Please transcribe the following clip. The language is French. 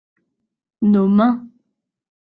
nos mains.